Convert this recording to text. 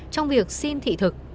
trong việc xin thị thực